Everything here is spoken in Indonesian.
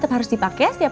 selaw beruntung perawatan